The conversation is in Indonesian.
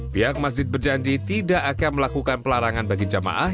pihak masjid berjanji tidak akan melakukan pelarangan bagi jamaah